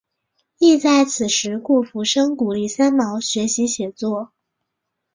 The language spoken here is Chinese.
亦在此时顾福生鼓励三毛学习写作。